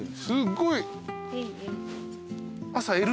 すごい。